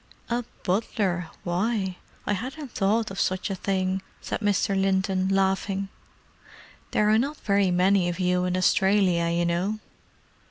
"A butler—why. I hadn't thought of such a thing," said Mr. Linton, laughing. "There are not very many of you in Australia, you know."